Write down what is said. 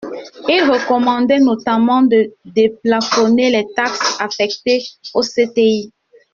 Il recommandait notamment de déplafonner les taxes affectées aux CTI.